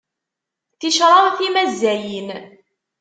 Ticraḍ timazzayin.